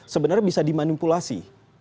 sebenarnya bisa dimanipulasi